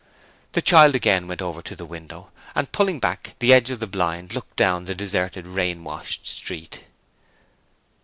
The child again went over to the window, and pulling back the edge of the blind looked down the deserted rain washed street.